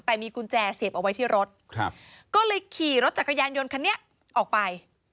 แต่มีกุญแจเสียบเอาไว้ที่รถครับก็เลยขี่รถจักรยานยนต์คันนี้ออกไป